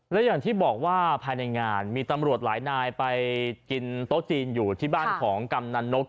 และอย่างที่บอกว่าภายในงานมีตำรวจหลายนายไปกินโต๊ะจีนอยู่ที่บ้านของกำนันนก